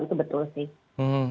itu betul sih